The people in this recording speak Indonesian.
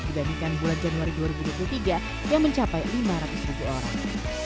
dibandingkan bulan januari dua ribu dua puluh tiga yang mencapai lima ratus ribu orang